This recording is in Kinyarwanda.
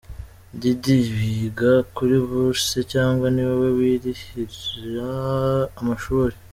Diddy : Wiga kuri bourse, cyangwa ni wowe wirihira amashuri ?.